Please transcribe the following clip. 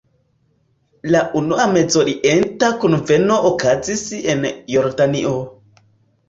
La unua Mezorienta kunveno okazis en Jordanio.